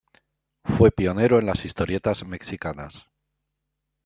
Fue pionero de las historietas mexicanas.